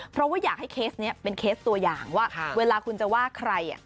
เพราะว่าอยากให้เคสนี้เป็นเคสตัวอย่างว่าเวลาคุณจะว่าใคร